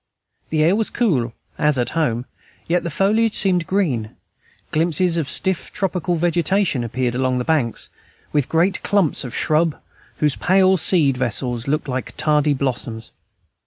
The air was cool as at home, yet the foliage seemed green, glimpses of stiff tropical vegetation appeared along the banks, with great clumps of shrubs, whose pale seed vessels looked like tardy blossoms.